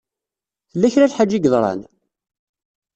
Tella kra n lḥaǧa i yeḍṛan?